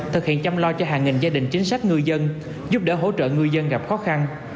thực hiện chăm lo cho hàng nghìn gia đình chính sách ngư dân giúp đỡ hỗ trợ ngư dân gặp khó khăn